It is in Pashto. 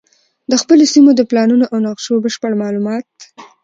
د خپلو سیمو د پلانونو او نقشو بشپړ معلومات